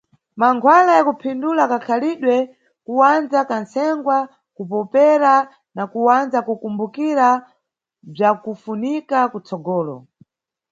Mankhwala ya kuphindula kakhalidwe: kuwandza kantsengwa, kupopera na kuwandza kukumbukira bzwakufunika kutsogolo.